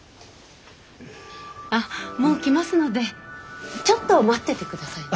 あっもう来ますのでちょっと待っててくださいね。